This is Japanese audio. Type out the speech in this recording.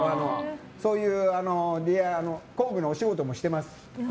そういう工具のお仕事もしてます。